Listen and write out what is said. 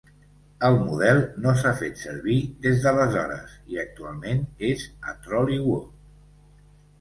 El model no s'ha fet servir des d'aleshores, i actualment és a Trollywood.